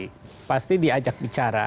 jadi pasti diajak bicara